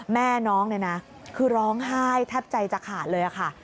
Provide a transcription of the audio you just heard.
แม่น้องคือร้องไห้แทบใจจากหาดเลยค่ะ